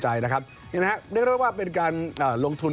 นี่นะครับเรียกได้ว่าเป็นการลงทุน